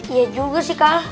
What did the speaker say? iya juga sih kal